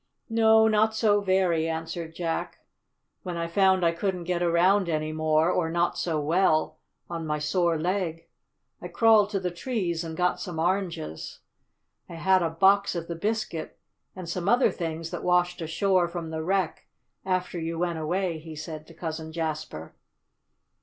"No, not so very," answered Jack. "When I found I couldn't get around any more, or not so well, on my sore leg, I crawled to the trees and got some oranges. I had a box of the biscuit and some other things that washed ashore from the wreck after you went away," he said to Cousin Jasper.